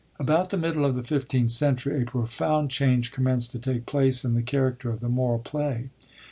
^ About the middle of the 16th century a profound change commenced to take place in the character of the Moral Play.